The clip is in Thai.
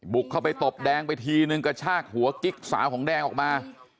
เข้าไปตบแดงไปทีนึงกระชากหัวกิ๊กสาวของแดงออกมา